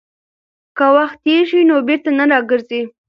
که وخت تېر شي نو بېرته نه راګرځي.